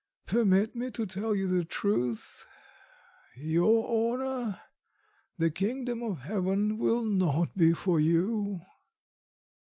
... Permit me to tell you the truth. ... Your honour, the Kingdom of Heaven will not be for you!"